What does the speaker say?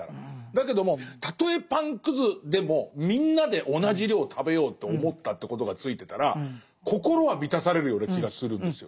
だけどもたとえパンくずでもみんなで同じ量を食べようと思ったってことがついてたら心は満たされるような気がするんですよ。